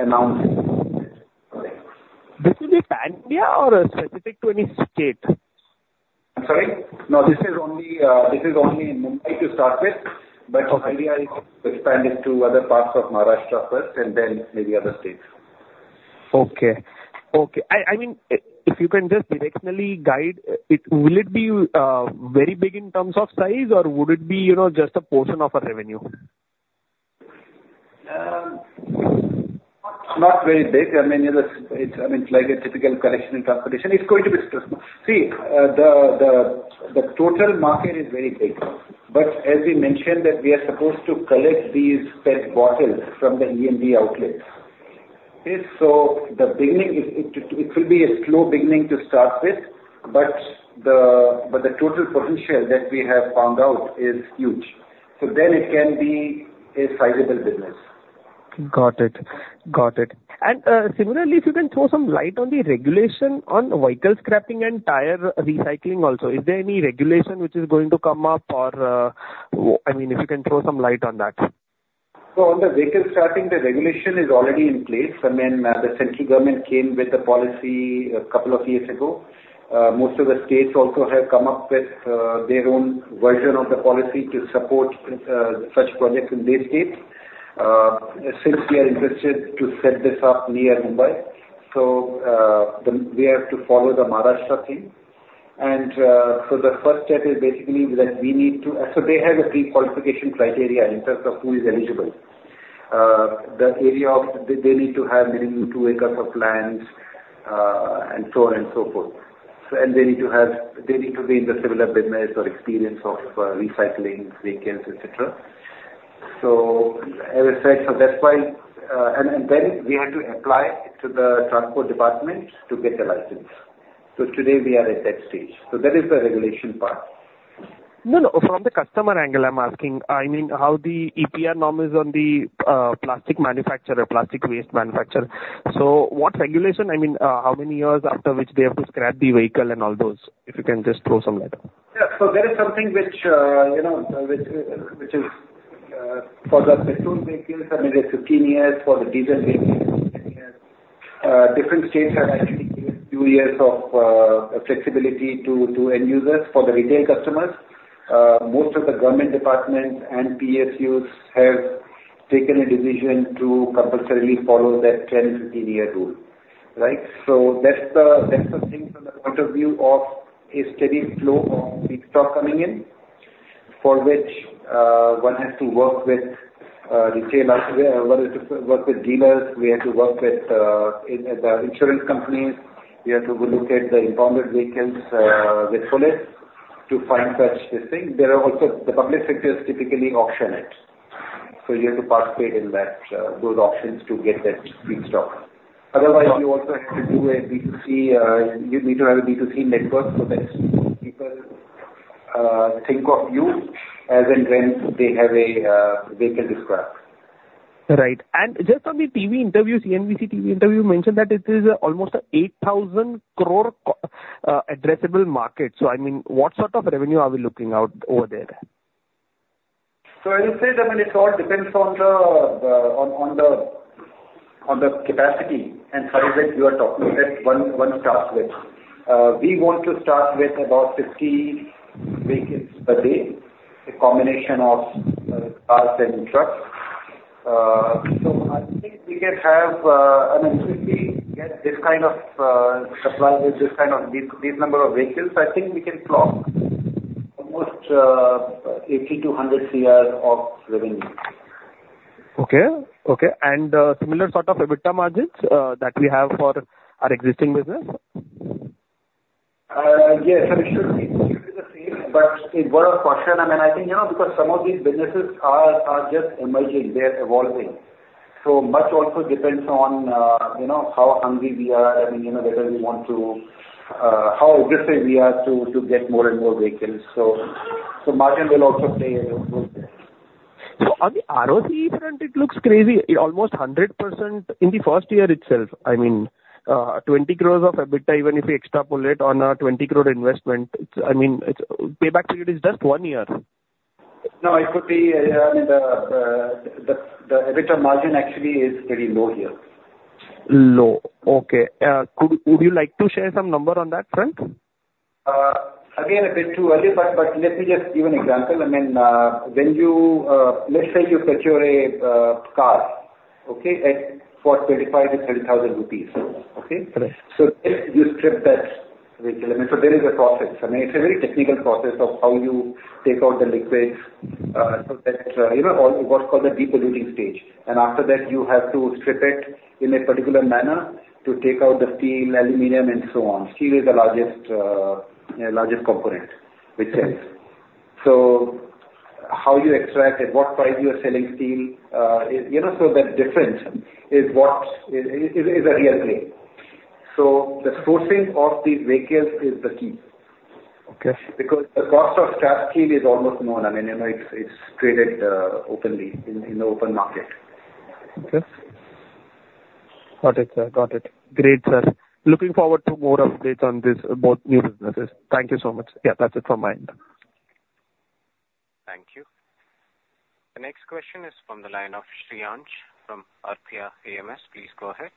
announce it. This is a Pan-India or specific to any state? I'm sorry. No, this is only, this is only in Mumbai to start with. Okay. But ideally, expand it to other parts of Maharashtra first, and then maybe other states. Okay. Okay. I mean, if you can just directionally guide it... Will it be very big in terms of size, or would it be, you know, just a portion of our revenue? Not very big. I mean, it is, it's, I mean, it's like a typical collection and transportation. It's going to be... See, the total market is very big, but as we mentioned, that we are supposed to collect these PET bottles from the F&B outlets. Okay, so the beginning, it will be a slow beginning to start with, but the total potential that we have found out is huge. So then it can be a sizable business. Got it. Got it. And, similarly, if you can throw some light on the regulation on vehicle scrapping and tire recycling also. Is there any regulation which is going to come up or, I mean, if you can throw some light on that?... So on the vehicle scrapping, the regulation is already in place. I mean, the central government came with the policy a couple of years ago. Most of the states also have come up with their own version of the policy to support such projects in their states. Since we are interested to set this up near Mumbai, so then we have to follow the Maharashtra scheme. And so the first step is basically that we need to. So they have a pre-qualification criteria in terms of who is eligible. The area, they need to have minimum 2 acres of land, and so on and so forth. So and they need to have, they need to be in the similar business or experience of recycling vehicles, et cetera. So as I said, so that's why, and, and then we have to apply to the transport department to get a license. So today we are at that stage. So that is the regulation part. No, no, from the customer angle, I'm asking, I mean, how the EPR norm is on the plastic manufacturer, plastic waste manufacturer. So what regulation, I mean, how many years after which they have to scrap the vehicle and all those? If you can just throw some light on. Yeah. So there is something which, you know, which, which is, for the petrol vehicles, I mean, it's 15 years, for the diesel vehicles, 10 years. Different states have actually given 2 years of, flexibility to, to end users for the retail customers. Most of the government departments and PSUs have taken a decision to compulsorily follow that 10, 15-year rule, right? So that's the, that's the thing from the point of view of a steady flow of stock coming in, for which, one has to work with, retailers, one is to work with dealers, we have to work with, in, the insurance companies, we have to look at the impounded vehicles, with police to find such listings. There are also, the public sector is typically auction it. So you have to participate in that, those auctions to get that free stock. Otherwise, you also have to do a B2C, you need to have a B2C network so that people think of you as and when they have a vehicle to scrap. Right. And just on the TV interview, CNBC TV interview, you mentioned that it is almost an 8,000 crore core addressable market. So, I mean, what sort of revenue are we looking out over there? So as I said, I mean, it all depends on the capacity and how is it you are talking, that's one, one starts with. We want to start with about 50 vehicles per day, a combination of cars and trucks. So I think we can have an entity get this kind of supply with this kind of these number of vehicles. I think we can clock almost 80-100 crore INR of revenue. Okay. Okay, and similar sort of EBITDA margins that we have for our existing business? Yes, it should be the same, but it was a question. I mean, I think, yeah, because some of these businesses are just emerging, they're evolving. So much also depends on, you know, how hungry we are, I mean, you know, whether we want to, how aggressive we are to get more and more vehicles. So margin will also play a role there. So on the ROCE front, it looks crazy. Almost 100% in the first year itself. I mean, 20 crore of EBITDA, even if you extrapolate on a 20 crore investment, it's, I mean, it's, payback period is just one year. No, it could be, I mean, the EBITDA margin actually is very low here. Low. Okay. Would you like to share some number on that front? Again, it is too early, but let me just give an example. I mean, when you, let's say you procure a car, okay? At for 25-30 thousand rupees, okay? Right. So if you strip that vehicle, I mean, so there is a process. I mean, it's a very technical process of how you take out the liquids, so that, you know, all what's called the depolluting stage. And after that, you have to strip it in a particular manner to take out the steel, aluminum, and so on. Steel is the largest, you know, largest component, which is... So how you extract, at what price you are selling steel, is, you know, so that difference is what is, is, is a real thing. So the sourcing of these vehicles is the key. Okay. Because the cost of scrap steel is almost known. I mean, you know, it's traded openly in the open market. Okay. Got it, sir. Got it. Great, sir. Looking forward to more updates on this, about new businesses. Thank you so much. Yeah, that's it from my end. Thank you. The next question is from the line of Shreyansh from Arcadia. Please go ahead.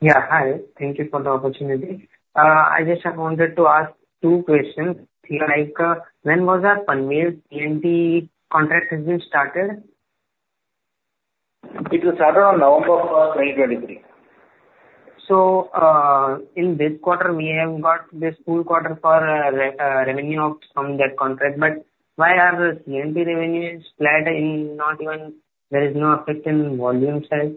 Yeah, hi. Thank you for the opportunity. I just wanted to ask two questions. Like, when was our Panvel C&T contract has been started? It was started on November 1, 2023. So, in this quarter, we have got this full quarter for revenue from that contract, but why are the C&T revenues flat and not even there is no effect in volume side?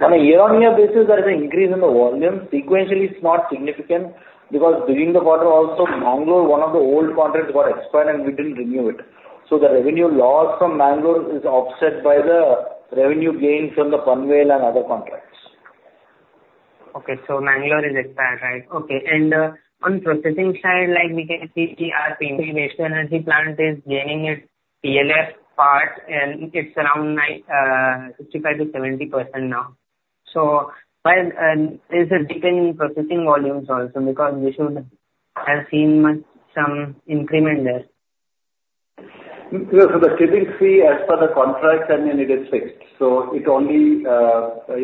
On a year-on-year basis, there is an increase in the volume. Sequentially, it's not significant because during the quarter also, Bangalore, one of the old contracts, got expired and we didn't renew it. The revenue loss from Bangalore is offset by the revenue gain from the Panvel and other contracts. Okay, so Bangalore is expired, right? Okay. And on processing side, like we can see the PCMC Waste-to-Energy plant is gaining its PLF part, and it's around 65%-70% now. So when is the decline in processing volumes also because I've seen much, some increment there. No, so the tipping fee as per the contract, I mean, it is fixed. So it only, you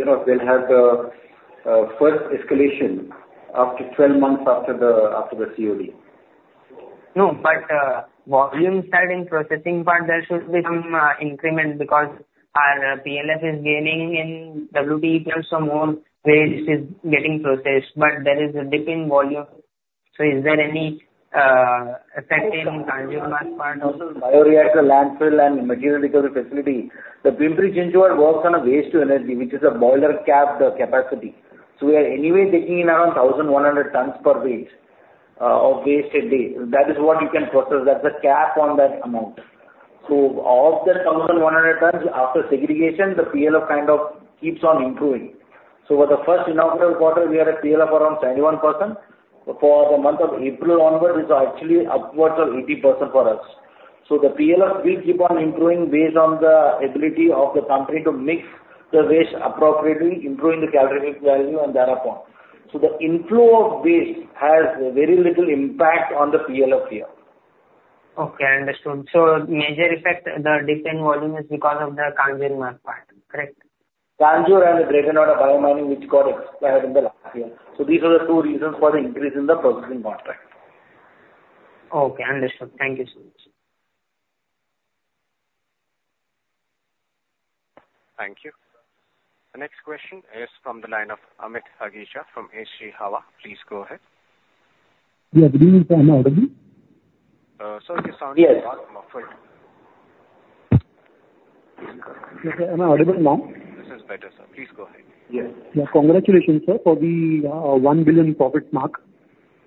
know, will have the first escalation after 12 months after the, after the COD. No, but, volume side in processing part, there should be some increment because our PLF is gaining in WTE plant, so more waste is getting processed, but there is a dip in volume. So is there any effect in Kanjurmarg part also? Bioreactor, landfill, and material recovery facility. The Pimpri-Chinchwad works on a Waste-to-Energy, which is a boiler cap, the capacity. So we are anyway taking in around 1,100 tons per week of waste a day. That is what you can process, that's the cap on that amount. So of that 1,100 tons, after segregation, the PLF kind of keeps on improving. So for the first inaugural quarter, we are at PLF around 21%. For the month of April onward, it's actually upwards of 80% for us. So the PLF will keep on improving based on the ability of the company to mix the waste appropriately, improving the calorific value and thereupon. So the inflow of waste has very little impact on the PLF here. Okay, understood. So major effect, the dip in volume is because of the Kanjurmarg part, correct? Kanjurmarg and the Greater Noida bio-mining, which got expired in the last year. So these are the two reasons for the increase in the processing contract. Okay, understood. Thank you so much. Thank you. The next question is from the line of Amit Agicha from H.G. Hawa & Co. Please go ahead. Yeah, good evening, sir. Am I audible? Sir, your sound is- Yes. Go ahead. Okay. Am I audible now? This is better, sir. Please go ahead. Yes. Yeah. Congratulations, sir, for the 1 billion profit mark.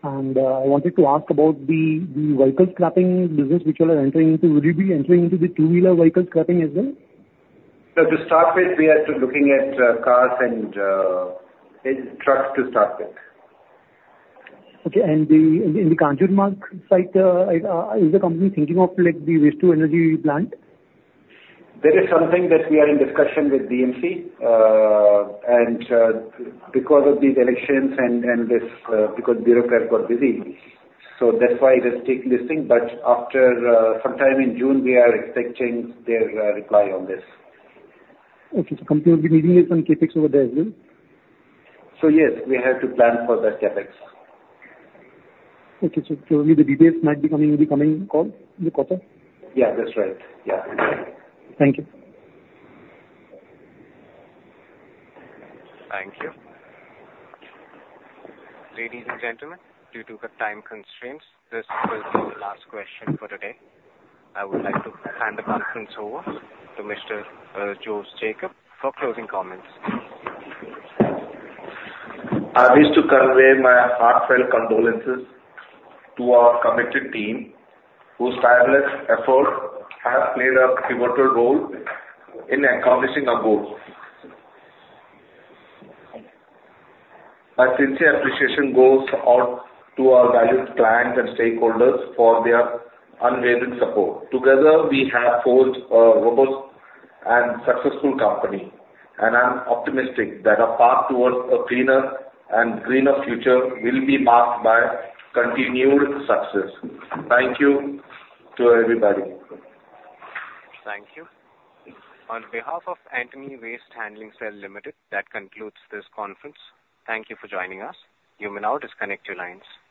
I wanted to ask about the vehicle scrapping business, which you all are entering into. Will you be entering into the two-wheeler vehicle scrapping as well? So to start with, we are still looking at cars and and trucks to start with. Okay, and in the Kanjurmarg site, is the company thinking of, like, the waste to energy plant? That is something that we are in discussion with BMC. And because of these elections and this because bureaucrats got busy, so that's why it is taking this thing. But after sometime in June, we are expecting their reply on this. Okay. Company will be needing some CapEx over there as well? Yes, we have to plan for that CapEx. Okay, sir. So maybe the details might be coming in the coming call, in the quarter? Yeah, that's right. Yeah. Thank you. Thank you. Ladies and gentlemen, due to the time constraints, this will be the last question for today. I would like to hand the conference over to Mr. Jose Jacob for closing comments. I wish to convey my heartfelt congratulations to our committed team, whose tireless effort has played a pivotal role in accomplishing our goals. My sincere appreciation goes out to our valued clients and stakeholders for their unwavering support. Together, we have forged a robust and successful company, and I'm optimistic that our path towards a cleaner and greener future will be marked by continued success. Thank you to everybody. Thank you. On behalf of Antony Waste Handling Cell Limited, that concludes this conference. Thank you for joining us. You may now disconnect your lines.